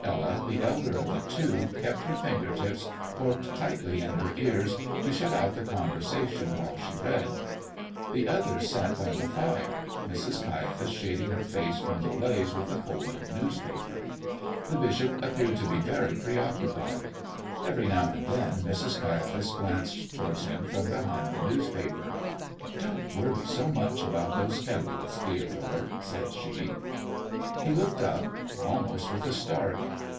Ella, the elder of the two, kept her finger tips corked tightly in her ears to shut out the conversation while she read. The others sat by the fire, Mrs. Caiaphas shading her face from the blaze with a folded newspaper. The bishop appeared to be very preoccupied. Every now and then Mrs. Caiaphas glanced towards him from behind the newspaper. "Don't worry so much about those Kettles, Theodore," said she. He looked up, almost with a start.